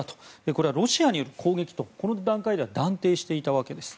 これはロシアによる攻撃とこの段階では断定していたわけです。